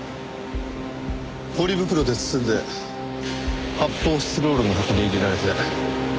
ポリ袋で包んで発泡スチロールの箱に入れられて。